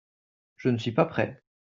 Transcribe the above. Je ne suis pas prêt.